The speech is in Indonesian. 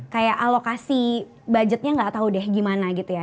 kayak alokasi budgetnya nggak tahu deh gimana gitu ya